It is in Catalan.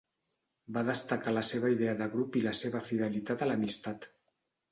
Va destacar la seva idea de grup i la seva fidelitat a l'amistat.